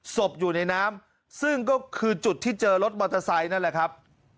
ศพอยู่ในน้ำซึ่งก็คือจุดที่เจอรถมอเตอร์ไซค์นั่นแหละครับ